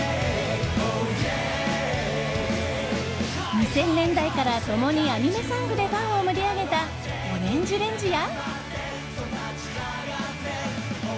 ２０００年代から共にアニメソングでファンを盛り上げたＯＲＡＮＧＥＲＡＮＧＥや。